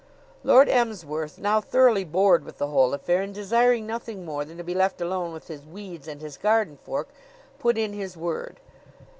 Lord Emsworth, now thoroughly bored with the whole affair and desiring nothing more than to be left alone with his weeds and his garden fork, put in his word.